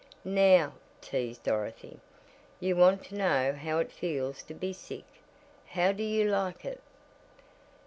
"Now," teased Dorothy, "you wanted to know how it feels to be sick. How do you like it?"